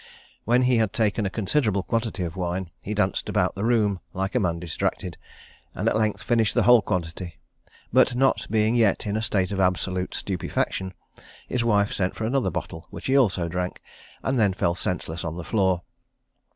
When he had taken a considerable quantity of the wine, he danced about the room like a man distracted, and at length finished the whole quantity: but, not being yet in a state of absolute stupefaction, his wife sent for another bottle, which he also drank, and then fell senseless on the floor.